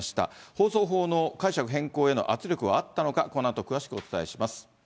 放送法の解釈変更への圧力はあったのか、このあと詳しくお伝えします。